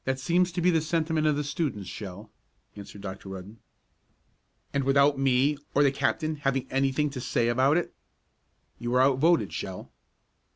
"That seems to be the sentiment of the students, Shell," answered Dr. Rudden. "And without me, or the captain, having anything to say about it?" "You were out voted, Shell."